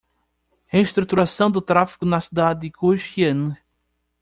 Reestruturação do tráfego na cidade de Kaohsiung